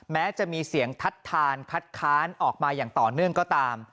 แม้จะมีเสียงทัดทานคัดค้านออกมาอย่างต่อเนื่องก็ตาม